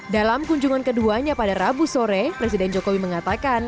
dalam kunjungan keduanya pada rabu sore presiden jokowi mengatakan